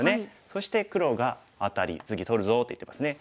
そして黒がアタリ「次取るぞ」って言ってますね。